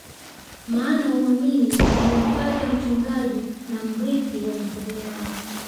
Maana huamini wamempata mchungaji na mrithi wa mifugo yao